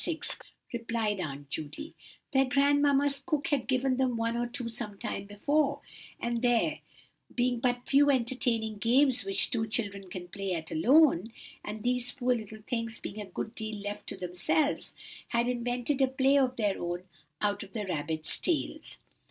6," replied Aunt Judy; "their grandmamma's cook had given them one or two sometime before, and there being but few entertaining games which two children can play at alone, and these poor little things being a good deal left to themselves, they invented a play of their own out of the rabbits' tails.